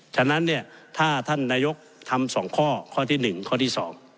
ฉะนั้นถ้าท่านนายกรรมธุตีทำ๒ข้อข้อที่๑ข้อที่๒